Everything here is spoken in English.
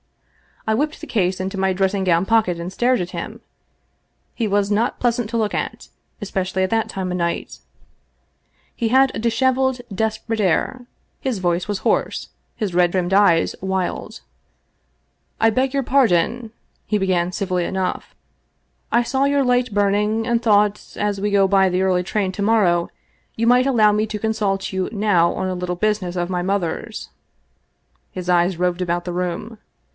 I whipped the case into my dressing gown pocket and stared at him. He was not pleasant to look at, especially at that time of night. He had a dishev eled, desperate air, his voice was hoarse, his red rimmed eyes wild. " I beg your pardon," he began civilly enough. " I saw your light burning, and thought, as we go by the early train to morrow, you might allow me to consult you now on a little business of my mother's." His eyes roved about the room.